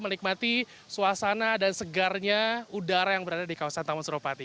menikmati suasana dan segarnya udara yang berada di kawasan taman suropati